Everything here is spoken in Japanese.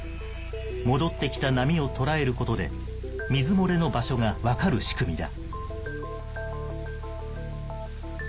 戻ってきた波を捉えることで水漏れの場所が分かる仕組みだ